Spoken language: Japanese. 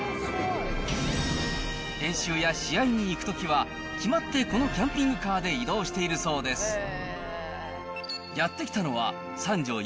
練習や試合に行くときは、決まってこのキャンピングカーで移動しているそうです。